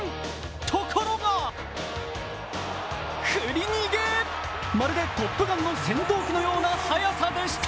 ところが振り逃げ、まるで「トップガン」の戦闘機のような速さでした。